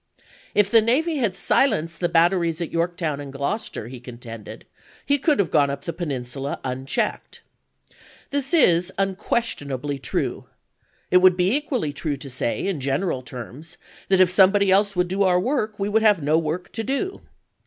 If the navy had silenced the batteries at Yorktown and Gloucester, he con tended, he could have gone up the Peninsula un checked. This is unquestionably true ; it would be equally true to say in general terms that if somebody else would do our work we would have no work to do.